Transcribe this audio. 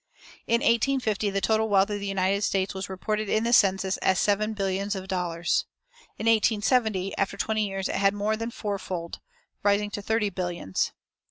In 1850 the total wealth of the United States was reported in the census as seven billions of dollars. In 1870, after twenty years, it had more than fourfolded, rising to thirty billions.